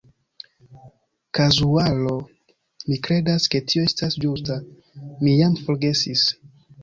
Kazuaro. Mi kredas, ke tio estas ĝusta, mi jam forgesis.